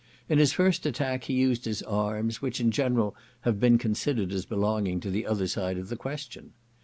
In his first attack he used the arms, which in general have been considered as belonging to the other side of the question.